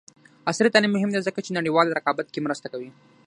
عصري تعلیم مهم دی ځکه چې نړیوال رقابت کې مرسته کوي.